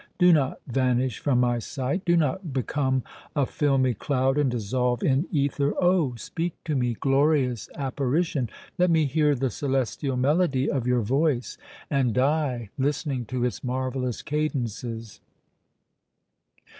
Do not vanish from my sight, do not become a filmy cloud and dissolve in ether! Oh! speak to me, glorious apparition! Let me hear the celestial melody of your voice and die listening to its marvellous cadences!"